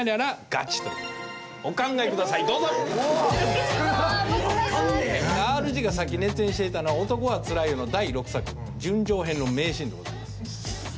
ＲＧがさっき熱演していたのは「男はつらいよ」の第６作「純情篇」の名シーンでございます。